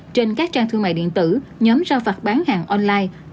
trên các trang thương mại điện tử nhóm giao phạt bán hàng online